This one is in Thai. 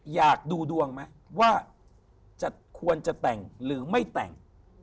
อยากดูดวงไหมว่าจะควรจะแต่งหรือไม่แต่ง